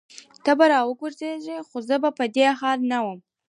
ته به راوګرځي خو زه به په دې حال نه وم